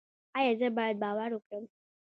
ایا زه باید باور وکړم؟